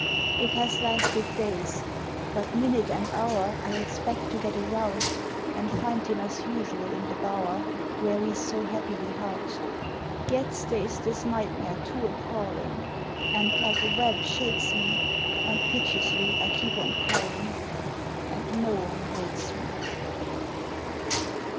It has lasted days, but minute and hour I expect to get aroused And find him as usual in the bower Where we so happily housed. Yet stays this nightmare too appalling, And like a web shakes me, And piteously I keep on calling, And no one wakes me!